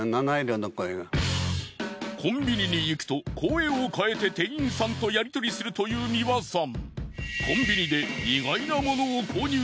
コンビニに行くと声を変えて店員さんとやりとりするという美輪さん。